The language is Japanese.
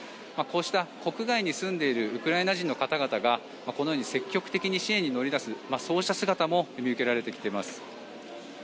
こうした国外に住んでいるウクライナ人の方々がこのように積極的に支援に乗り出すそうした姿も見受けられています。